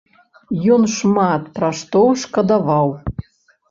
Ён шмат пра што шкадаваў.